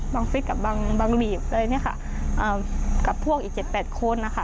ฟิศกับบางหลีบอะไรเนี่ยค่ะกับพวกอีก๗๘คนนะคะ